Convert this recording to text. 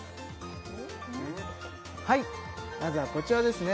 まずはこちらですね